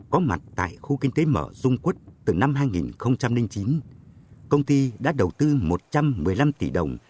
có mặt tại khu kinh tế mở dung quất từ năm hai nghìn chín công ty đã đầu tư một trăm một mươi năm tỷ đồng